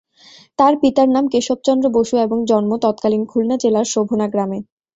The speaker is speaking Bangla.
তার পিতার নাম কেশবচন্দ্র বসু এবং জন্ম তৎকালীন খুলনা জেলার শোভনা গ্রামে।